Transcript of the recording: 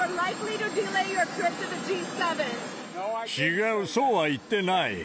違う、そうは言ってない。